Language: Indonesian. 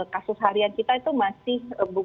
kasus harian kita itu masih